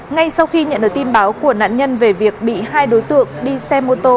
ngay sau khi nhận được tin báo của nạn nhân về việc bị hai đối tượng đi xe mô tô